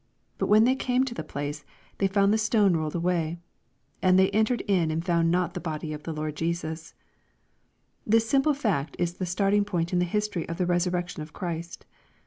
But when they came to the place, ^' they found the stone rolled away. And they entered in and found not the body of the Lord Jesus.*' This simple fact is the starting point in the history ot the resurrection of Christ.